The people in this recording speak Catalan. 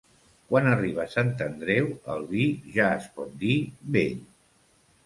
Quan arriba Sant Andreu el vi ja es pot dir vell.